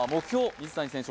水谷選手